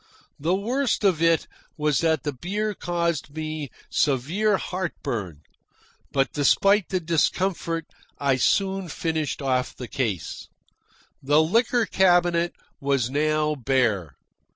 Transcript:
The worst of it was that the beer caused me severe heart burn; but despite the discomfort I soon finished off the case. The liquor cabinet was now bare.